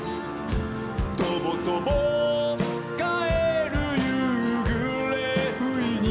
「とぼとぼかえるゆうぐれふいに」